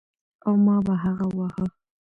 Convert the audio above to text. او ما به هغه واهه.